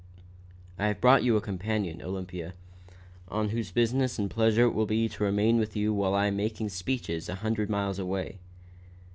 "I have brought you a companion, Olympia, one whose business and pleasure it will be to remain with you while I am making speeches a hundred miles away.